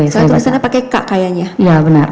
saya tulisannya pakai k kayaknya